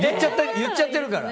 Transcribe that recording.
言っちゃってるから。